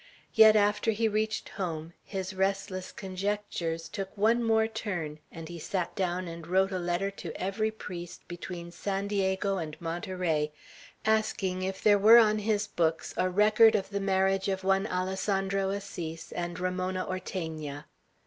Yet, after he reached home, his restless conjectures took one more turn, and he sat down and wrote a letter to every priest between San Diego and Monterey, asking if there were on his books a record of the marriage of one Alessandro Assis and Ramona Ortegna.